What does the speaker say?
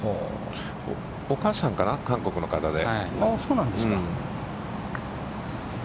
お母さんが韓国の方で。